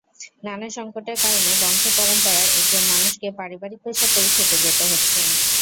নানা সংকটের কারণে বংশপরম্পরায় একজন মানুষকে পারিবারিক পেশাতেই থেকে যেতে হচ্ছে।